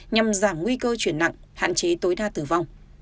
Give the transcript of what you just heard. nhằm giảm nguy cơ chuyển nặng hạn chế tối đa tử vong